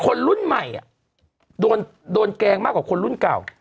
คนรุ่นใหม่โดนแกล้งมากกว่าคนรุ่นเก่า